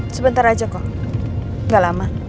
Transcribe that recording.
sebentar aja kok gak lama